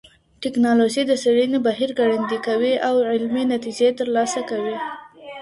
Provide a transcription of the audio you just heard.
ټکنالوژي د څېړنې بهير ګړندی کوي او علمي نتيجې ترلاسه کوي.